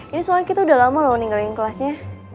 ini soalnya kita udah lama loh ninggalin kelasnya